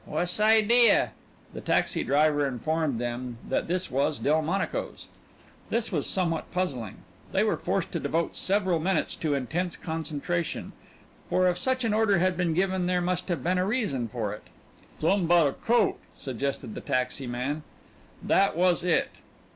"What's idea?" The taxi driver informed them that this was Delmonico's. This was somewhat puzzling. They were forced to devote several minutes to intense concentration, for if such an order had been given there must have been a reason for it. "Somep'm 'bouta coat," suggested the taxi man. That was it.